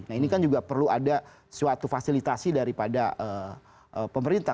nah ini kan juga perlu ada suatu fasilitasi daripada pemerintah